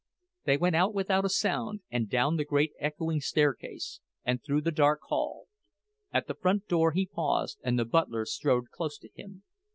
They went out without a sound, and down the great echoing staircase, and through the dark hall. At the front door he paused, and the butler strode close to him.